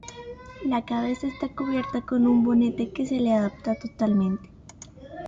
La cabeza está cubierta con un bonete que se le adapta totalmente.